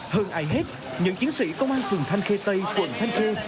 hơn ai hết những chiến sĩ công an phường thanh khê tây quận thanh khê